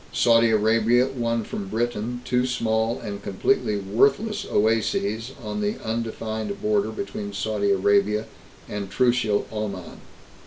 Saudi Arabia won from Britain two small and completely worthless oases on the undefined border between Saudi Arabia and Trucial Oman.